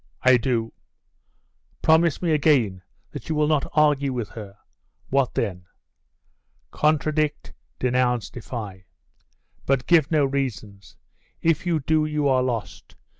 'I do.' 'Promise me again, that you will not argue with her.' 'What then?' 'Contradict, denounce, defy. But give no reasons. If you do, you are lost.